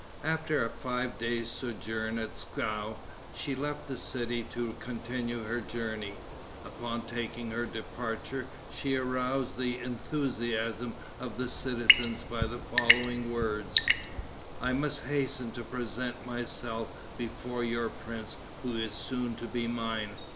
After a five days' sojourn at Pskov, she left the city to continue her journey. Upon taking her departure, she aroused the enthusiasm of the citizens by the following words: "I must hasten to present myself before your prince who is soon to be mine.